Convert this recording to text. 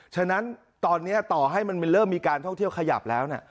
ฉะนั้นตอนนี้ต่อให้มันเริ่มมีการท่องเที่ยวขยับแล้ว